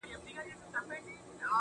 چي سترگو ته يې گورم، وای غزل لیکي.